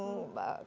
kita masuk kerja